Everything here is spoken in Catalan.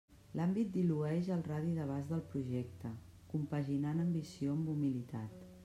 L'àmbit dilueix el radi d'abast del projecte compaginant ambició amb humilitat.